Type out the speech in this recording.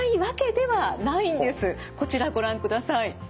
こちらご覧ください。